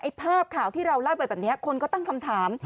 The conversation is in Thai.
ภาพข่าวที่เราเล่าไปแบบนี้คนก็ตั้งคำถาม